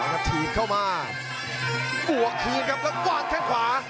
ออกมาขึ้นกรรมกว้างแค่ขวา